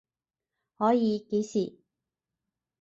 可以，幾時？